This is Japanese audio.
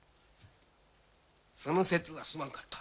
その節はすまんかった。